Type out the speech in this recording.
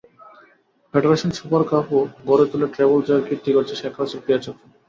Federation Super কাপও ঘরে তুলে treble জয়ের কীর্তি গড়েছে শেখ রাসেল ক্রীড়াচক্র।